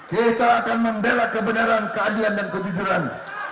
kita akan membela kebenaran keajian dan ketujuran